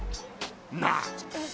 なあ！